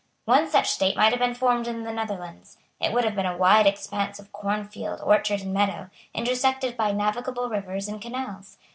One such state might have been formed in the Netherlands. It would have been a wide expanse of cornfield, orchard and meadow, intersected by navigable rivers and canals.